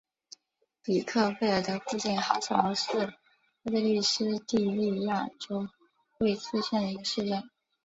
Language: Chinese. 比克费尔德附近哈斯劳是奥地利施蒂利亚州魏茨县的一个市镇。